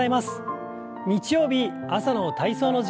日曜日朝の体操の時間です。